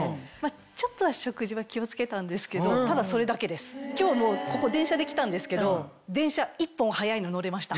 ちょっと食事は気を付けたんですけどただそれだけです今日も電車で来たんですけど電車１本早いの乗れました。